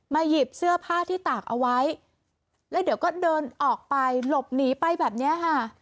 หยิบเสื้อผ้าที่ตากเอาไว้แล้วเดี๋ยวก็เดินออกไปหลบหนีไปแบบเนี้ยค่ะ